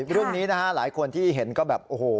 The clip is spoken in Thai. เรื่องนี้นะฮะหลายคนที่เห็นก็แบบโอ้โห